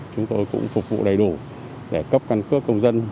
chúng tôi cũng phục vụ đầy đủ để cấp căn cước công dân